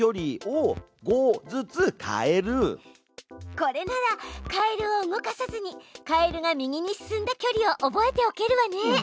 これならカエルを動かさずにカエルが右に進んだ距離を覚えておけるわね。